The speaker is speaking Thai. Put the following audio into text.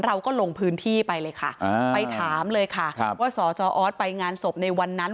เราก็ลงพื้นที่ไปเลยค่ะไปถามเลยค่ะว่าสจออสไปงานศพในวันนั้น